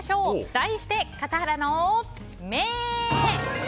題して、笠原の眼。